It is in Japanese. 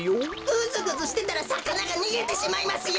ぐずぐずしてたらさかながにげてしまいますよ！